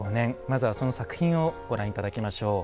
まずはその作品をご覧頂きましょう。